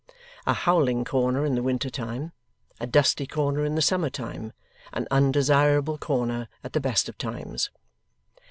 A howling corner in the winter time, a dusty corner in the summer time, an undesirable corner at the best of times.